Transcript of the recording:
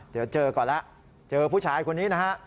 เดี๋ยวเจอก่อนแล้วเจอผู้ชายคนนี้นะฮะ